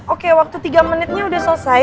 oke waktu tiga menitnya sudah selesai